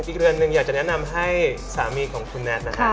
อีกเรือนหนึ่งอยากจะแนะนำให้สามีของคุณแน็ตนะฮะ